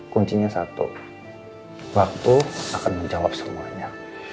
kuncinya satu waktu akan menjawab semuanya